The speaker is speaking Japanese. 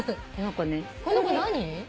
この子ね。